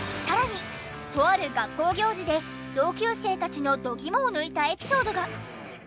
さらにとある学校行事で同級生たちの度肝を抜いたエピソードが！